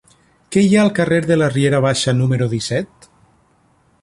Què hi ha al carrer de la Riera Baixa número disset?